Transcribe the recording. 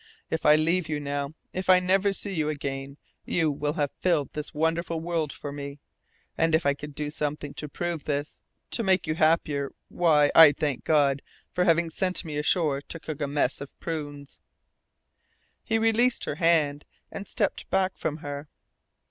If I leave you now if I never see you again you will have filled this wonderful world for me. And if I could do something to prove this to make you happier why, I'd thank God for having sent me ashore to cook a mess of prunes." He released her hand, and stepped back from her.